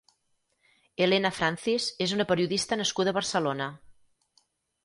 Elena Francis és una periodista nascuda a Barcelona.